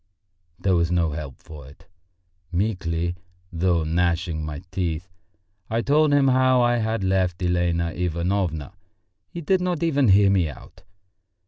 There was no help for it! Meekly, though gnashing my teeth, I told him how I had left Elena Ivanovna. He did not even hear me out.